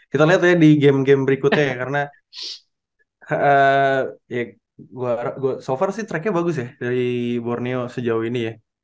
kita lihat ya di game game berikutnya ya karena ya so far sih tracknya bagus ya dari borneo sejauh ini ya